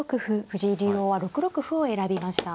藤井竜王は６六歩を選びました。